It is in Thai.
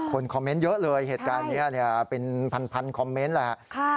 คอมเมนต์เยอะเลยเหตุการณ์นี้เป็นพันคอมเมนต์แหละ